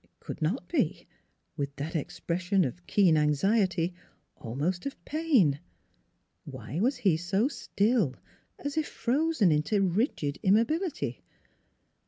it could not be with that expression of keen anxiety, almost of pain. ... Why was he so still, as if frozen into rigid immobility?